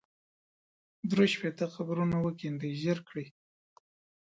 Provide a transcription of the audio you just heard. درې شپېته قبرونه وکېندئ ژر کړئ.